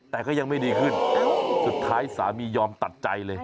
แต่ก็ยังไม่ดีขึ้นสุดท้ายสามียอมตัดใจเลย